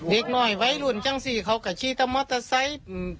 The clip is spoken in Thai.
อีกหน่อยวัยรุ่นจังสิเขาก็ขี่ตามมอเตอร์ไซค์